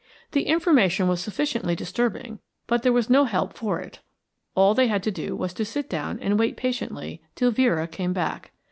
The information was sufficiently disturbing, but there was no help for it. All they had to do was to sit down and wait patiently till Vera came back.